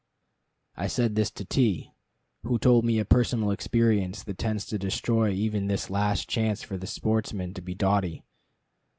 I said this to T , who told me a personal experience that tends to destroy even this last chance for the sportsman to be doughty.